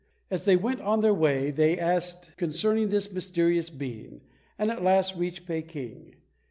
As they went on their way they asked concerning this mysterious being, and at last reached Peking.